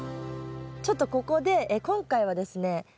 ちょっとここで今回はですね